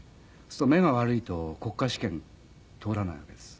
すると目が悪いと国家試験通らないわけです。